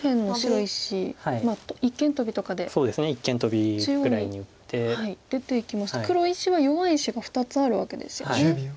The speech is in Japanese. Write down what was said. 一間トビとかで中央に出ていきますと黒石は弱い石が２つあるわけですよね。